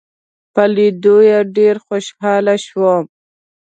په لیدو یې ډېر خوشاله شوم.